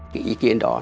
cái ý kiến đó